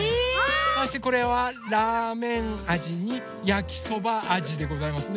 そしてこれはラーメンあじにやきそばあじでございますね。